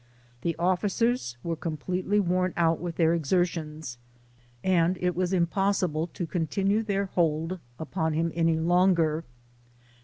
The officers were completely worn out with their exertions, and it was impossible to continue their hold upon him any longer.